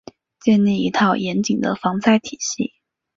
建立一套严谨的防灾体系